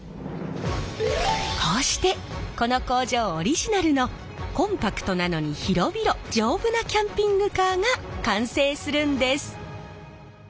こうしてこの工場オリジナルのコンパクトなのに広々丈夫なキャンピングカーが完成するんです。